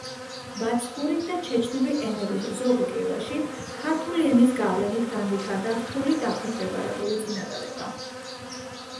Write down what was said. ბაცბური და ჩეჩნური ენების ზოგ კილოში ქართული ენის გავლენით განვითარდა რთული დაქვემდებარებული წინადადება.